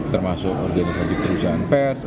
termasuk organisasi kelissian pers